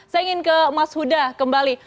saya ingin ke mas huda kembali